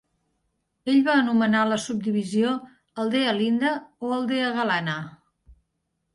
Ell va anomenar la subdivisió "Aldea Linda" o Aldea Galana.